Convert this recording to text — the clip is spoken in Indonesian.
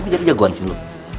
lo jaga jaguan sih lo